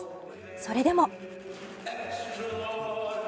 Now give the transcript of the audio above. それでも。